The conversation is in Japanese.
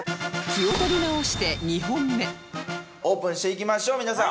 気を取り直してオープンしていきましょう皆さん。